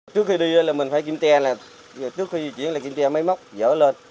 trước khi đi là mình phải kiếm tia trước khi di chuyển là kiếm tia máy móc dỡ lên